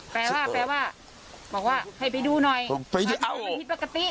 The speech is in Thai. แปลว่าแปลว่าบอกว่าให้ไปดูหน่อยมันผิดปกติ